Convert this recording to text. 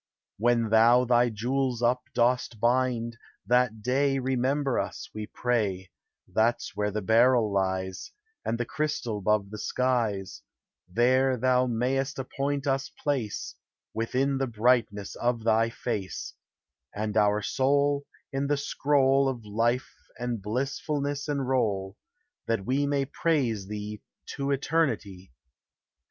When thou thy jewels up dost bind, that day Remember us, we pray, — That where the beryl lies, And the crystal 'bove the skies, There thou mayest appoint us place Within the brightness of thy face, — And our soul In the scroll Of life and blissfulness enroll, That we may praise thee to eternity.